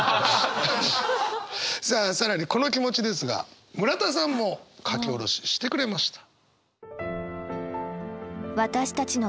さあ更にこの気持ちですが村田さんも書き下ろししてくれました。